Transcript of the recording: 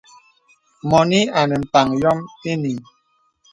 Mɔnì anə mpaŋ yòm ìyiŋ.